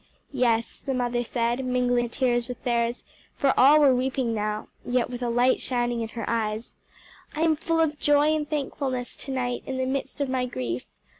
"Yes," the mother said, mingling her tears with theirs for all were weeping now yet with a light shining in her eyes, "I am full of joy and thankfulness to night in the midst of my grief.